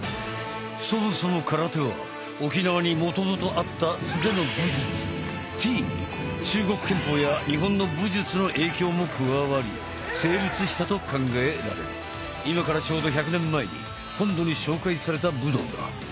そもそも空手は沖縄にもともとあった素手の武術「手」に中国拳法や日本の武術の影響も加わり成立したと考えられ今からちょうど１００年前に本土に紹介された武道だ。